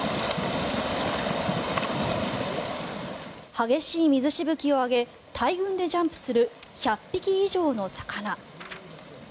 激しい水しぶきを上げ大群でジャンプする１００匹以上の魚。